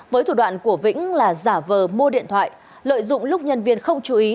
với thủ đoạn của vĩnh là giả vờ mua điện thoại lợi dụng lúc nhân viên không chú ý